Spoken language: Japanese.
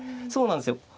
そうなんですよ。